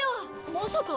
まさか！